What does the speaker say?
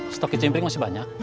stok kecimprik masih banyak